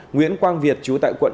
nguyễn quang việt chú tại quận hai